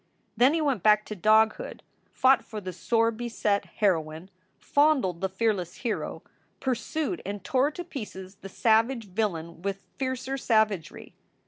Then he went back to doghood, fought for the sore beset heroine, fondled the fearless hero, pursued and tore to pieces the savage villain with fiercer savagery.